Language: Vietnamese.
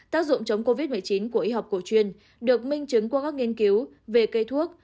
tác dụng chống covid một mươi chín của y học cổ truyền được minh chứng qua các nghiên cứu về cây thuốc